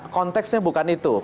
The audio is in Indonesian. konteksnya bukan itu